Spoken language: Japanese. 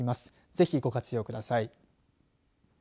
ぜひ、ご活用ください。